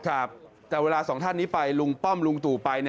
ครับแต่เวลาสองท่านนี้ไปลุงป้อมลุงตู่ไป